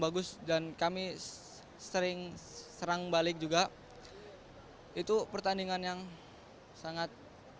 bagus dan kami sering serang balik juga itu pertandingan yang sangat